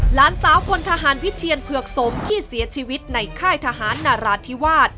หลานสาวพลทหารพิเชียนเผือกสมที่เสียชีวิตในค่ายทหารนาราธิวาส